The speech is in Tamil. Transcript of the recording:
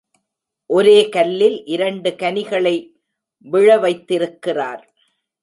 ஒரே கல்லில் இரண்டு கனிகளை விழ வைத்திருக் கிறார்.